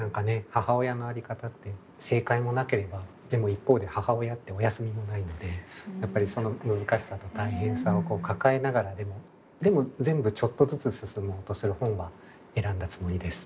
母親の在り方って正解もなければでも一方で母親ってお休みもないのでやっぱりその難しさと大変さを抱えながらでもでも全部ちょっとずつ進もうとする本は選んだつもりです。